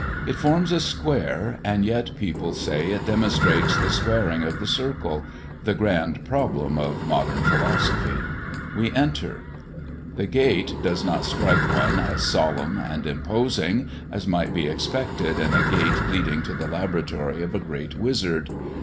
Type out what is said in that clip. It forms a square; and yet people say it demonstrates the squaring of the circle, the grand problem of modern philosophy. We enter. The gate does not strike one as solemn and imposing as might be expected in a gate leading to the laboratory of a great wizard.